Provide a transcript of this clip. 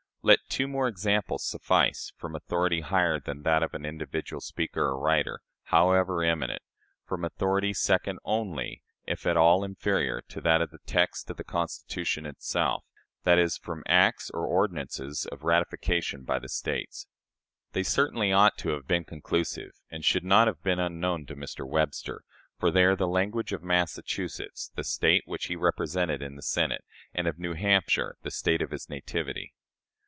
Let two more examples suffice, from authority higher than that of any individual speaker or writer, however eminent from authority second only, if at all inferior, to that of the text of the Constitution itself that is, from the acts or ordinances of ratification by the States. They certainly ought to have been conclusive, and should not have been unknown to Mr. Webster, for they are the language of Massachusetts, the State which he represented in the Senate, and of New Hampshire, the State of his nativity.